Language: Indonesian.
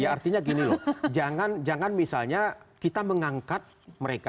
artinya gini loh jangan misalnya kita mengangkat mereka